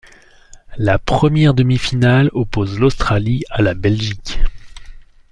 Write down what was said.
La première demi-finale oppose l'Australie à la Belgique.